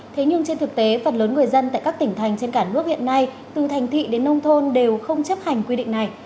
thế nhưng trên thực tế phần lớn người dân tại các tỉnh thành trên cả nước hiện nay từ thành thị đến nông thôn đều không chấp hành quy định này